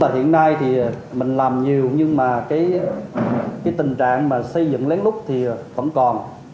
hiện nay thì mình làm nhiều nhưng mà cái tình trạng mà xây dựng lén lút thì vẫn còn